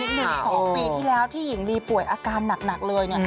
๒ปีที่แล้วที่หญิงลีป่วยอาการหนักเลย